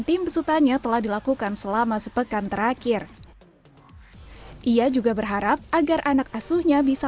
tim besutannya telah dilakukan selama sepekan terakhir ia juga berharap agar anak asuhnya bisa